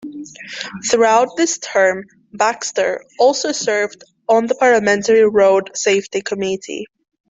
Throughout this term, Baxter also served on the parliamentary Road Safety Committee.